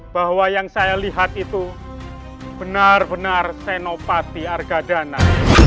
bahkan kami penduduk desa sudah berhasil menangkapnya